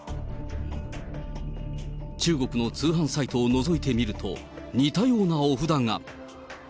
中国の通販サイトをのぞいてみると、似たようなお札が。